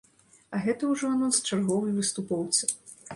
А гэта ўжо анонс чарговай выступоўцы.